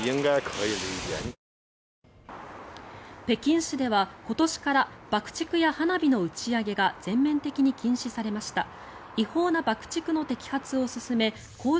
北京市では今年から爆竹や花火の打ち上げが全面的に禁止されました。